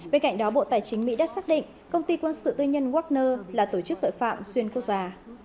bên cạnh đó bộ tài chính mỹ đã xác định công ty quân sự tư nhân wagner là tổ chức tội phạm xuyên quốc gia